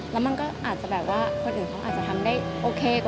เขาก็เลือกคนที่ดีที่สุดพร้อมที่สุด